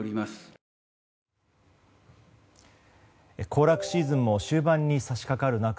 行楽シーズンも終盤に差し掛かる中